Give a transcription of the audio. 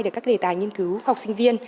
để các đề tài nghiên cứu học sinh viên